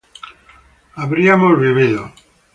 habríamos vivido